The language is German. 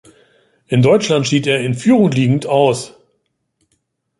In Deutschland schied er in Führung liegend aus.